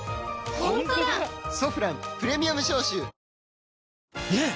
「ソフランプレミアム消臭」ねえ‼